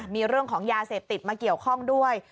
มีเรื่องของยาเสพติดมาเกี่ยวข้องด้วย